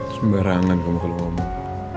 sembarangan kamu perlu ngomong